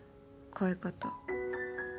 こういうこと。